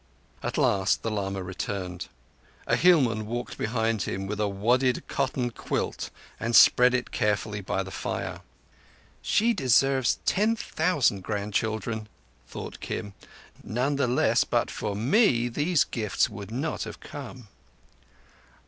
At last the lama returned. A hillman walked behind him with a wadded cotton quilt and spread it carefully by the fire. "She deserves ten thousand grandchildren," thought Kim. "None the less, but for me, those gifts would not have come."